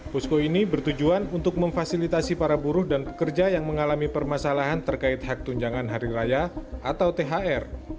posko ini bertujuan untuk memfasilitasi para buruh dan pekerja yang mengalami permasalahan terkait hak tunjangan hari raya atau thr